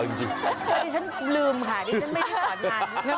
คือที่ฉันลืมไงฉันไม่ได้สอนนาน